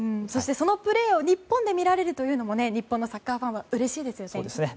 そのプレーを日本で見られるというのも日本のサッカーファンはうれしいですね。